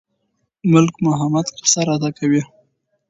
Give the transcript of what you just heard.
ملک محمد قصه راته کوي.